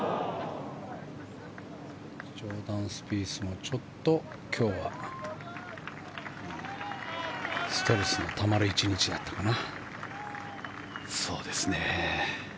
ジョーダン・スピースもちょっと今日はストレスのたまる１日だったかな。